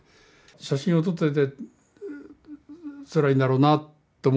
写真を撮っていてつらいんだろうなと思って。